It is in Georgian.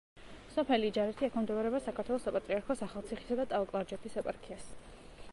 სოფელი იჯარეთი ექვემდებარება საქართველოს საპატრიარქოს ახალციხისა და ტაო-კლარჯეთის ეპარქიას.